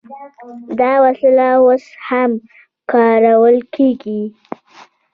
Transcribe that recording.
دا وسله اوس هم کارول کیږي.